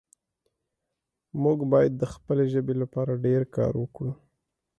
موږ باید د خپلې ژبې لپاره ډېر کار وکړو